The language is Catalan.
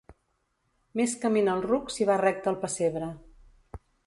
Més camina el ruc si va recte al pessebre.